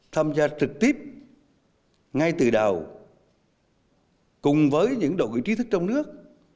tham gia trực tiếp ngay từ đầu cùng với những đội ngũ trí thức trong nước